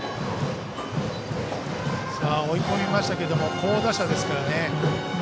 追い込みましたけども好打者ですからね。